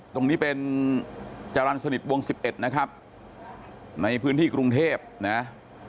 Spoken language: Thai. ตรงนี้เป็นจรรย์สนิทวง๑๑นะครับในพื้นที่กรุงเทพนะ